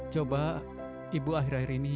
coba ibu akhir akhir ini